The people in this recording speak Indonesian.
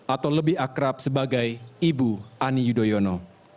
atau lebih akrab sebagai ibu ani yudhoyono